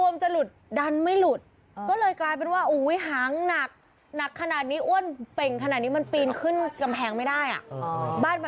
มันมีปัญหาอายุมันประมาณ๒๓ปีแล้วนะ